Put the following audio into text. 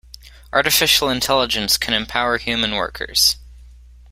Artificial Intelligence can empower human workers.